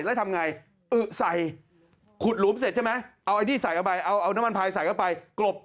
แล้วทำไงอึ้อใส่ขุดหลุมเสร็จใช่ไหมเอาน้ำมันพลายใส่เข้าไปกรบ